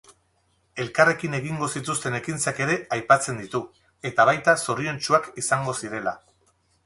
Elkarrekin egingo zituzten ekintzak ere aipatzen ditu, eta baita zoriontsuak izango zirela.